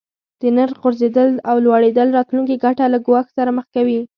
د نرخ غورځیدل او لوړیدل راتلونکې ګټه له ګواښ سره مخ کوي.